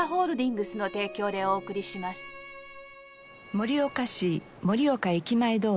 盛岡市盛岡駅前通